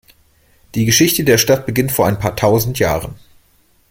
Die Geschichte der Stadt beginnt vor ein paar tausend Jahren.